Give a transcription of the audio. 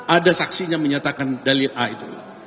ada saksinya menyatakan dalil a itu